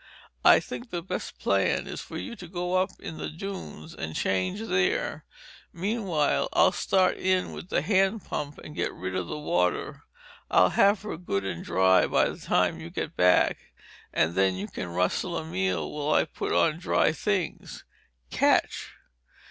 I think the best plan is for you to go up in the dunes and change there. Meanwhile, I'll start in with the handpump and get rid of the water. I'll have her good and dry by the time you get back. Then you can rustle a meal while I put on dry things. Catch!"